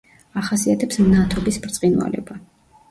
ახასიათებს მნათობის ბრწყინვალება.